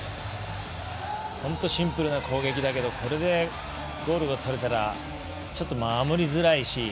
本当、シンプルな攻撃だけどこれでゴールが取れたらちょっと守りづらいし。